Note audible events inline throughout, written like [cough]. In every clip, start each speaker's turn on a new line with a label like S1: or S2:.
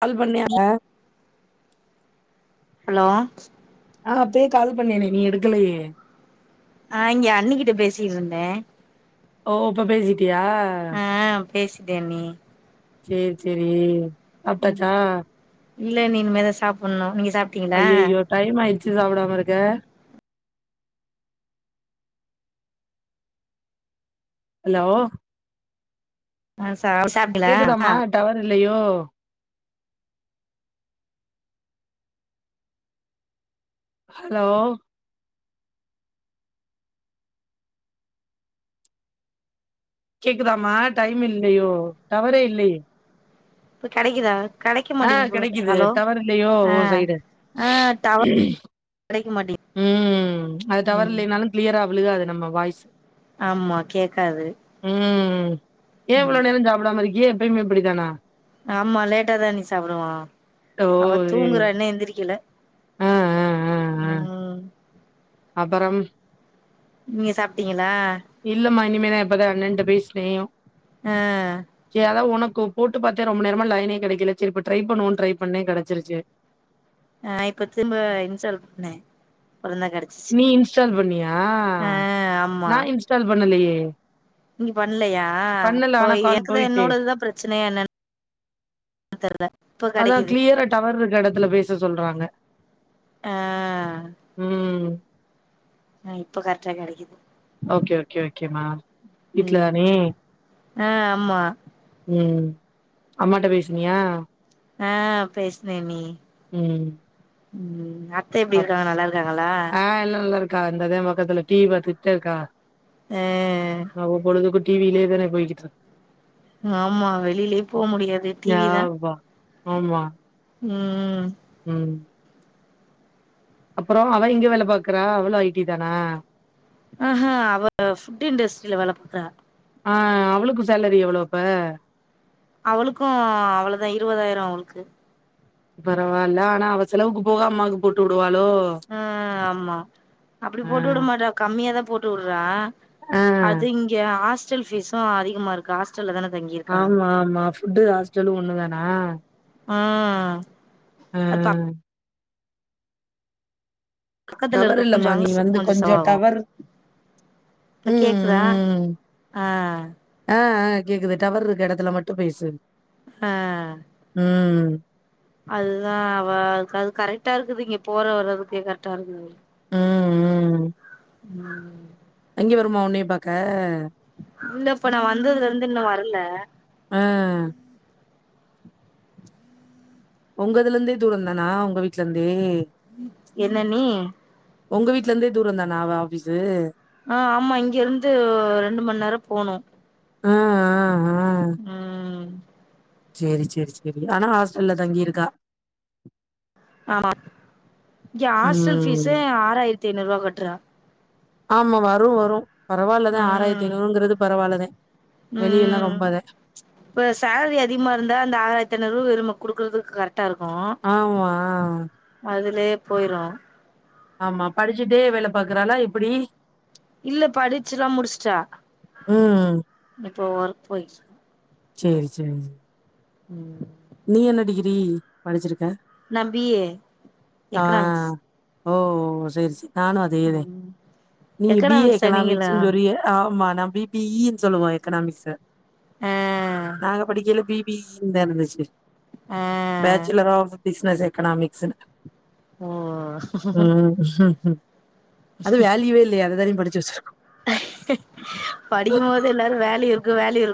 S1: கால் பண்ணியா அ
S2: ஹலோ
S1: ஆ அப்பயே கால் பண்ணேனே நீ எடுக்கலையே
S2: ஆ இங்க அண்ணிக்கிட்ட பேசியிட்ருந்தே
S1: ஓ இப்ப பேசி ட்டியா
S2: பேசிட்டியா நீ
S1: சேர் சேரி சாப்ட்டாச்சா
S2: இல்ல அண்ணி இனிமேதா சாப்புண்ணு நீங்
S1: ஐயையோ டைம் ஆய் ச்சி சாப்டாம இருக்க ஹலோ
S2: அ ஸ் [inaudible]
S1: ல்லையோ ஹலோ கேக்குதாமா டைம் இல்லையோ டவரே இல்லையே
S2: இப்ப கெடைக்கிதா
S1: ஆ கெடைக்கிது டவர் இல்லையோ
S2: ஆ
S1: ஓ சைடு
S2: ஆ டவர் கெடைக்க மாட்டேங்குது
S1: ம் அது டவர்
S2: ம்
S1: இல்லைனாலு க்ளியரா விழுகாது நம்ம வாய்ஸ்
S2: ஆமா கேக்காது
S1: ஏன் இவ்ளோ
S2: ம்
S1: நேரம் சாப்புடாம இருக்கிய ப்பயுமே இப்புடி தானா
S2: ஆமா லேட்டா தா அண்ணி சாப்புடுவா
S1: ஓ
S2: அவ
S1: சேரி
S2: தூங்குறா இன்னும் எந்திரிக்கில
S1: ஆ ஆ ஆ ஆ
S2: ம்
S1: அப்பறம்
S2: நீங்க சாப்ட்டீங்களா
S1: இனிமேல இப்பதா அண்ணன்ட்ட பேசுனே ஒ
S2: ஆ
S1: கு போட்டு பாத்தே ரொம்ப நேரமா லைனே கிடைக்கில சேரி இப்ப ட்ரை பண்ணுவோன் ட்ரை பண்ணே கடச்சிருச்சு
S2: ஆ இப்ப திரும்ப இன்ஸ்டால் பண்ணே அப்பறந்தா கெடச்சிச்சு
S1: நீ இன்ஸ்டால் பண்ணியா
S2: ஆ ஆமா
S1: நா இன்ஸ்டால் பண்ணலையே யே
S2: நீங்க பண்ணலையா அப்ப
S1: கால்
S2: எனக்குதா
S1: போயிட்டு
S2: என்னோடதா பிரச் சனையா என்னேன் அ தெர்
S1: அதா கிளியரா டவர் இருக்கற எடத்துல பேச சொல்றாங்க
S2: ஆ
S1: உம்
S2: ஆ இப்ப கரெக்டா கெடைக்குது
S1: ஓகே ஓகே ஓகேமா வீட்லதானே
S2: ஆஹ் ஆமா
S1: உம் அம்மாட்ட பேசினியா
S2: ஆஹ் பேசினே அண்ணி
S1: உம்
S2: உம் அத்த எப்படி இருக்காங்க நல்லா இருக்காங்களா
S1: க்கா இந்ததே பக்கத்துல டீ வி பத்துட்டுதா இருக்கா
S2: ஆ
S1: ஆவ பொழுதுக்குப் டி வி லேதான போயிகிட்டுருக்
S2: ஆமா வெளிலயே போ முடியாது டி
S1: யா,
S2: வி தா
S1: வா. ஆமா
S2: உம்
S1: உம் அப்பறோ அவ எங்க வேல பாக்குற அவளு ஐ டி தானா
S2: அஹ்ஹ அவ ஃபுட் இண்டஸ்ட்ரியில வேல பாக்குறா
S1: அஹ் அவுளுக்கு சேலரி எவ்ளோ அப்ப
S2: அவளுக்கு அவ்ளோதா இருவதாயிரோ அவளுக்கு
S1: பரவால்ல ஆனா அவசெலவுக்கு போக அம்மாக்கு போட்டு உடுவா
S2: அ ஆம்மா அப்படி
S1: ஆ
S2: போட்டுவுட‌ மாட்டா கம்மியாதா போட்டுவுட்றா
S1: ஆ
S2: அது இங்க ஆஸ் டல் பீஸு அதிகமாக இருக்கு ஹாஸ்
S1: ஆமா ஆமா ஃபுட்டு ஹாஸ்டலு ஒண்ணு தானா
S2: ம் அப்பா பக்கத்துல
S1: டவர்
S2: இருக்க கொஞ்சோ
S1: இல்லமா
S2: அங்க
S1: நீ வந்து கொஞ்சோ
S2: செலவாகு
S1: டவர்
S2: இப்ப
S1: உம்
S2: கேக்குதா
S1: உம்
S2: ஆ
S1: ஆ ஆ கேக்குது டவர் இருக்கற எடத்துல மட்டு பேசு
S2: அஹ்
S1: உம்
S2: அதுதா அவ அதுக்கது கரெக்டா இருக்குது இங்க போற வர்றதுக்கே கரெக்டா இருக்குது
S1: ம் ம்
S2: உம்
S1: இங்க வருமா ஒன்னய பாக்க
S2: இல்ல இப்ப நா வந்ததுலருந்து இன்னு வர்ல
S1: அஹ் ஒங்கதுலந்தே தூரந்தானா ஒங்க வீட்லருந்தே
S2: என்ன அண்ணி
S1: ஒங்க வீட்லருந்தே தூரந் தானா அவ ஆஃபீஸு
S2: ஆ ஆமா இங்க இருந்து ரெண்டு மண் நேரோ
S1: உம் அஹ் அஹ்
S2: உம்
S1: சேரி சேரி சேரி ஆனா ஹாஸ்டல்ல தங்கிருக்கா
S2: ஆமா இங்க ஹாஸ்டல்
S1: ம்
S2: ஃபீஸே ஆறாயிரத் திநூறுவா கட்றா
S1: ஆமா வரு வரு பரவால்லதா ஆறாயிரத்தி
S2: உம்
S1: ஐநூறுங்கிறது பரவால்லதா வெளியல்லா
S2: உம்
S1: ரொம்ப அத
S2: இப்ப சேல்ரி அதிகமா இருந்தா அந்த ஆறாயிரத்தைநூறு ரூவா நம்ம குடுக்குறதுக் கரெ
S1: ஆமா
S2: லே போய்ரு
S1: ஆமா படிச்சுட்டே வேல பாக்குறலா எப்புடி
S2: இல்ல படிச்சுலா முடிச்ட்டா
S1: ம்
S2: இப்போ ஒர்க் போய்ட்ருக்கா
S1: சேரி சேரி
S2: உம்
S1: நீ என்ன டிகிரி படிச்சிருக்க
S2: நா பி ஏ
S1: ஆ
S2: எக்கனாமிக்ஸ்
S1: ஓ சேரி சேரி நானு அதேதே
S2: ம்
S1: நீங்க பி ஏ
S2: எக்கனாமிக்ஸா நீங்களு
S1: எக்கனாமிக்ஸுன் சொல்றிய ஆமா நா பி பி ஈ ன்னு சொல்லுவோ எக்கனாமிக்ஸ்ச
S2: ஆ
S1: நாங்க படிக்கைல பி பி ஈ ந்தா இருந்துச்சு
S2: ஆ
S1: பேச்சுலர் ஆஃப் பிஸ்னஸ் எக்கனாமிக்ஸ்னு
S2: ஓ
S1: உம் அது வேல்யூவே இல்லயே அததானே படிச் ஜெஸ்ருக்கோ
S2: படிக்குமோது எல்லாரு வேலயு வேல இரு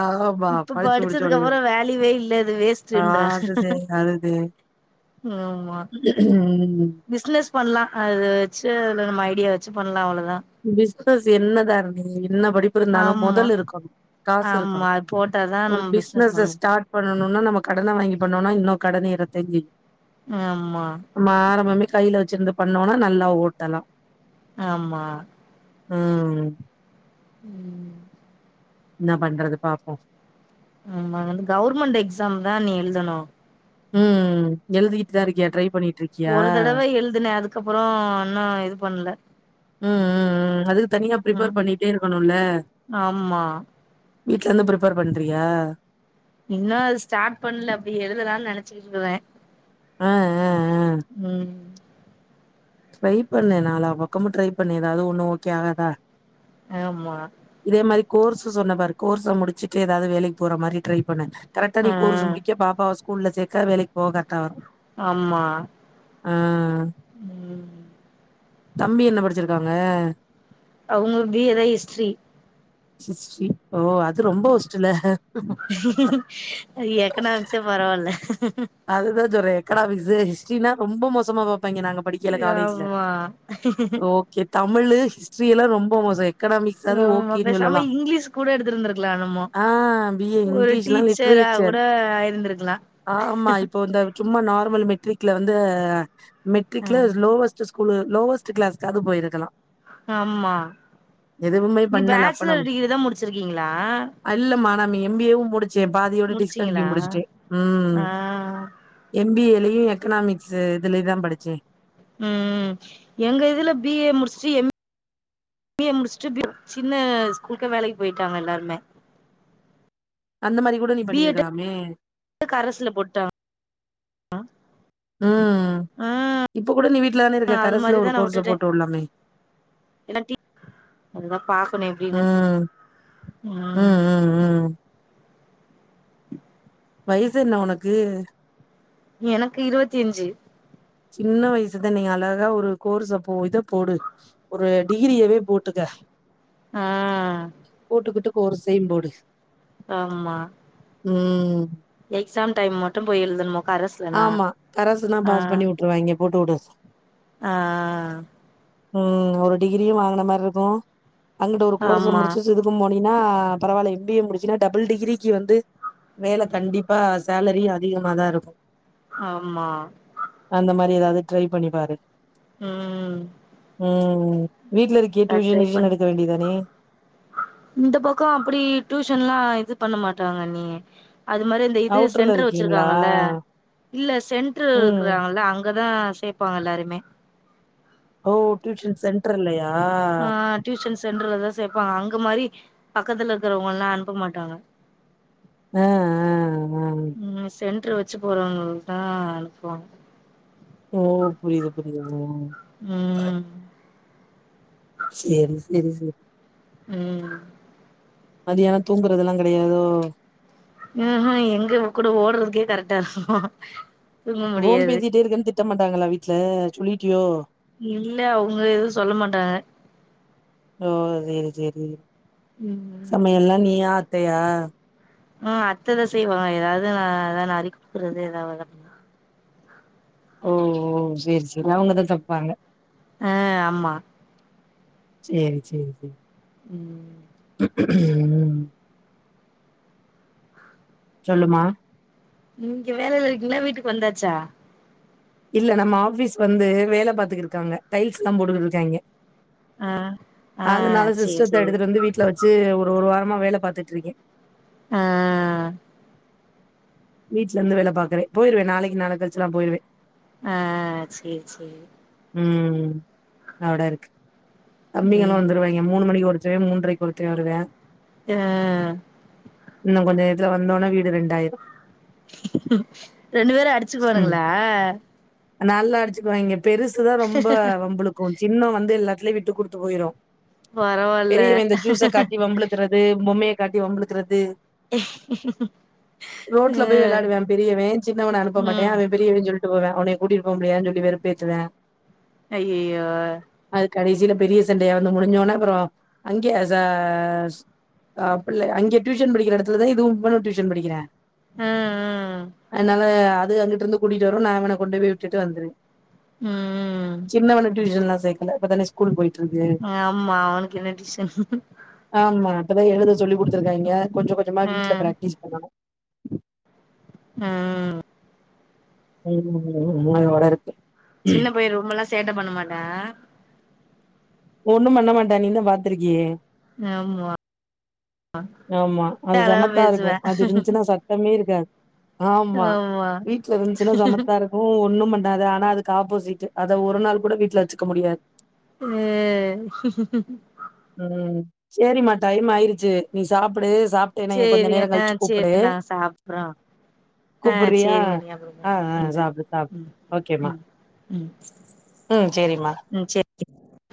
S1: ஆமா
S2: இப்ப
S1: படிச்சு முடிச்ச
S2: படிச்சதுக்கு
S1: உடனே
S2: அப்புரொ வேலுவே இல்ல அது வேஸ்டு
S1: ஆ
S2: ன்ற
S1: அதுதே அதுதே
S2: ஆமா பிஸ்னஸ் பண்ணலா அத வச்சு ஐடியா வச்சு பண்ணலா அவள
S1: பிசினஸ் என்ன தாருனி என்ன படிப்பு இருந்தாலு
S2: ஆமா
S1: முதல் இருக்கணு காசு இருக்கணு
S2: ஆமா அது போட்டாதா
S1: ஒரு
S2: நம்ம பிசினஸ் பண்ண
S1: பிஸ்னஸ்ச
S2: முடியு.
S1: ஸ்டார்ட் பண்ண பண்ணும்னா நம கடன வாங்கி பண்னோனா இன்னு கடநேரத
S2: ஆமா
S1: கையில வச்சிருந்து பண்ணோனா நல்லா ஓட்டலா
S2: ஆமா
S1: ம்
S2: ம்
S1: என்ன பண்றது பாப்போ
S2: ஆமாங்கந்த கவுர்மெண்ட் எக்ஸாம் தா நீ எழுதணு
S1: உம் எழ்திகிட் தாருக்கியா ட்ரை பண்ணிட்ருக்கியா
S2: கப்புறோ ஒண்ணு இது பண்ல
S1: உம் உம் உம் அதுகு தனியா ப்ரிப்பேர்
S2: ம்
S1: பண்ணிட்டே இருக்கணுல்ல
S2: ஆமா
S1: வீட்லந்து ப்ரிப்பேர் பண்றியா
S2: இன்னு அது ஸ்டார்ட் பண்ல அப்டி எழுதலான் நெனச்சிட்டுருக்குறே
S1: ஆ ஆ ஆ
S2: உம்
S1: ட்ரை பண்ணு நாலா பக்கமு ட்ரை பண்ணு எதாது ஒண்ணு ஓகே ஆகாதா
S2: ஆமா
S1: கோர்ஸு சொன்ன பாரு கோர்ஸ முடுச்சுட்டு எதாது வேலகி போற மாரி ட்ரை பண்ணு கரெக்டா நீ
S2: ஆ
S1: கோர்ஸ முடிக்க பாப்பாவஸ் கூல்ல சேக்க வேலைக் போகர்டா வரூ
S2: ஆமா
S1: ஆ
S2: உம்
S1: தம்பி என்ன படுச்சுருக்காங்க
S2: அவுங்க பி ஏ தா ஹிஸ்ட்ரி
S1: ஹிஸ்ட்ரி ஓ அது ரொம்ப ஒஸ்ட்டுல்ல
S2: அ எக்கனாமிக்ஸெ பரவால்ல
S1: அதுதா ஜொறே க்கனாமிக்ஸே ஹிஸ்ட்ரினா ரொம்ப மோ சமா பா ப்பாங்கெ நாங்க படிக்கேல காலேஜ்ல
S2: ஆமா
S1: ரோகெ தமிழு ஹி்ஸ்ட்ரியெல்லா ரொம்ப மோசை
S2: நாமா பேசாம இங்கிலீஷ் கூட எடுத்துருந்திருக்லா நம்மொ
S1: ஆ பி ஏ
S2: ஒரு
S1: இங்கிலீஷ்லா
S2: டீச்சரா
S1: லிட்ரேச்சர்
S2: கூட ஆயிருந்திருக்
S1: ஆமா இப்போ இந்த சும்மா நார்மல் மெட்ரிக்ல வந்து
S2: அ
S1: மெட்ரிக்ல லோவஸ்ட்டு குலு லோவஸ்ட்டு கிளாஸ்காது போயிருக்கலா
S2: ஆமா நீ
S1: பண்ணல அப்ப
S2: பேச்சுலர்
S1: நம்ம
S2: டிகிரி தா முடிச்சுருக்கீங்களா
S1: நம் எம் பி ஏவு முடுச் சே பாதியோட டிஸ்கண்ட்னியு முடுச்சுட்டே
S2: ஆ
S1: எம்பிஏலயும் எக்கனாமிக்ஸ்ு இதுலயே தான் படிச்சேன்
S2: உம் எங்க இதுல பிஏ முடிச்சுட்டு எம் பி ஏ முடிச்சுட்டு சின்ன ஸ்கூலு வேலைக்கு போயிட்டாங்க எல்லாருமே
S1: அந்த மாதிரி கூட நீ
S2: பி எட்
S1: பண்ணிருக்கலாமே
S2: ஆஹ
S1: உம் இப்ப கூட நீ வீட்டுல தானே இருக்க
S2: அது
S1: கரசுல ஒரு
S2: மாரிதா நா
S1: கோர்ஸை
S2: விட்டுட்டே
S1: போட்டு விடலாமே
S2: இல்லாட்டி அதுதா பாக்கணு எப்டின்னு
S1: உம்
S2: ம்
S1: உம் உம் உம் வயசு என்ன உனக்கு
S2: எனக்கு இருவத்தி அஞ்சு
S1: சின்ன வயசுதான் நீங்க அழகா ஒரு கோர்சை போட்டு போடு ஒரு எ டிகிரியவே போட்டுக்க
S2: ஆஹ்
S1: கோர்ஸ் செய்யும் போடு
S2: ஆமா
S1: உம்
S2: எக்ஸாம் டைம் மட்டும் போய் யெழுதனும்
S1: ஆமா கரசசு தான் பாஸ் பண்ணி விட்டுருவாங்க போட்டு விட
S2: ஆஹ்
S1: உஹம் ஒரு டிகிரியும் வாங்கின மாதிரி இருக்கும் அங்கிட்ட ஒரு கோரரசம்
S2: ஆமா
S1: முடிச்சு சிதுக்கும் போன அப்படனா பரவாயில்ல எம்பிஏ முடிச்சுன்னா டபுள் டிகிரிக்கு வந்து வேல கண்டிப்பா சேலரி அதிகம தான் இருக்கும்
S2: ஆமா
S1: ஏதாவது ட்ரை பண்ணிப்பாரு
S2: ம்
S1: ம் வீட்ல இருக்கியே
S2: நான் ட்ரை
S1: டியூஷன்
S2: பண்
S1: கியூஷன் எடுக்க வேண்டியதானே
S2: இந்த பக்கோ அப்டி டியூஷன்லா இதுப் பண்ண மாட்டாங்க அண்ணி அது மாத்ரி அந்த இது
S1: அவுட்டர்ல
S2: சென்ட்ரு
S1: இருக்கீங்களா
S2: வச்சிருக்காங்கல்ல இல்ல சென்ட்ரு
S1: ம்
S2: இருக்கறாங்கல அங் கதா சேப்பாங்க எல்லாருமே
S1: ஓ டியூஷன் சென்ட்ர்லயா
S2: ஆ டியூஷன் சென்ட்ர்லதா சேப்பாங்க அங்கு மாரி பக் கத்துல இருக்கிறவங்கல்லா அனுப்ப மாட்டாங்க
S1: ஆ ஆ ஆ
S2: ம் சென்ட்ரு வச்சு போறவங்ளுக்கு தா அனுப்புவாங்க
S1: ஓ புரியுது புரியுது ஆ
S2: ம்
S1: சேரி செரி செரி
S2: ம்
S1: மதியானோ தூங்குறதெல்லா கெடையாதோ
S2: ம்ஹூம் எங்க இவகூட ஓடுறதுக்கே கரெக்டா இருக்கூ
S1: ஃபோன் பேசிட்டே இருக்கேன் திட்ட மாட்டாங்களா வீட்ல சொல்லி ட்டியோ
S2: இல்ல அவுங்க எதூ சொல்ல மாட்டாங்க
S1: ஓ செரி சேரி
S2: ம்
S1: சமையல்லா நீயா அத் த்தையா
S2: உ அத்ததா செய்வாங்க ஏதாவ்து நா அதா நறுக்கி குடுக்குறது ஏதாவ்து [inaudible]
S1: ஓஓ சேரி செரி அவுங்கதா சம்ப்பாங்க
S2: ஆ ஆமா
S1: சேரி சேரி சேரி
S2: ம்
S1: ம் சொல்லுமா
S2: நீங்க வேலல இருக்கீங்ளா வீட்டுக்கு வந்தாச்சா
S1: இல்ல நம்ம ஆஃபீஸ் வந்து வேல பாத்துக்குட்ருக்காங்க டைல்ஸ்லா போட்டுகிட்ருக்காய்ங்க
S2: ஆ ஆ
S1: அதுனால
S2: சேரி
S1: சிஸ்டத்த
S2: சேரி
S1: எடுத்துட்டு வந்து வீட்ல வச்சு ஒரு ஒரு வார மா வேல பாத்துட்ருக்கே
S2: ஆ
S1: வீட்டலர்ந்து வேல பாக்குறே போயிருவே நாளைக்கு நாளை கழிச்சுல்லா போயிருவே
S2: ஆ சேரி சேரி
S1: ம் அவ்டருக் தம்பிங்கல்லா
S2: ம்
S1: வந்துருவாய்ங்க மூணு மணிக்கு ஒருத் தே மூன்றைக்கொர்த்தே வருவ்யா
S2: ஆஹ்
S1: இன்னு கொஞ்ச நேரத்துல வந்தோன வீடு ரெண்டாயிரம்
S2: ரெண்டு பேரும்
S1: ம்
S2: அடிச்சுக்குவாணுங்களா
S1: நல்லா அடிச்சுக்குவாங்க பெருசு தான் ரொம்ப வம்பளுக்கும் சின்னவன் வந்து எல்லாத்திலயும் விட் கொடுத்து போயிரும்
S2: பரவால்ல
S1: பெரியவன் இந்த ஜூஸை காட்டி வம்பழுக்கிறது பொம்மைய காட்டி வம்பழுக்கிறது
S2: ஆ
S1: ரோட்ல போய் விளையாடுவான் பெரியவன் சின்னவனை அனுப்ப மாட்டேன்
S2: ம்
S1: அவன் பெரியவன் சொல்லிட்டு போவான் அவனை கூட்டிரு போவ முடியாதுன்னு சொல்லி வெறுப்பு ஏத்துவான்
S2: அய்யயோ
S1: கடைசில பெரிய சண்டையா வந்து முடிஞ்சா உடனே அப்புறம் அங்கயே பிள்ள அங்க டியூஷன் படிக்கிற இடத்துல தான் இதுவும் இவனும் டியூஷன் படிக்கிறான்
S2: ஆ ஆ
S1: அன்னால அங்கட்டு இருந்து கூட்டட்டு வரும் நான் அவனை கொண்டு போய்ட்டு வந்துரு
S2: ம்
S1: சின்ன வேண டியூஷன்ல ப்ப [unintelligible] கு போய [unintelligible]
S2: ஆமா அவனுக்கு என்ன டிஷன்
S1: அத எழுதை சொல்லி கொடுடுத்தருக்காங்க கொஞ்சம் கொஞ்சமா
S2: ஆ
S1: வீட்டுல பிராக்டிஸ் பண்ணும்
S2: உஹ்
S1: உம் உ வட இருக்கு
S2: சின்ன பயிு ரமல சேட்டை பண்ண மாட்டா
S1: ஒண்ணும் பண்ண மாட்டா நீ தான் பாத்துிருக்கிய
S2: ஆமா
S1: ஆமா அது
S2: அழகா
S1: சமத்தா
S2: பேசுவே
S1: இருக்கும் அது இருந்துச்சுன்னா சட்டமே இருக்காது ஆமா வீடல இருந்துச்சுன்னா சமத்தா இருக்கும் ஒண்ணும் ஆனா அதுக்கு ஆப்போசிட் அதை ஒரு நாள் கூட வீட்டுல வச்சுக்க முடியாது
S2: ஹ
S1: சரிமா டைம் ஆயிடுச்சு நீ சாப்பிடு
S2: சரிங்க சரி நாங்க சாப்பறோம் ஆஹ்
S1: கூப்புட்றியா
S2: சரிங்க நீற உ
S1: ஆ ஆ சாப்டு சாப்டு
S2: உம்
S1: ஓகேம்மா
S2: உம்
S1: ம் சேரிம்மா
S2: உம் சரி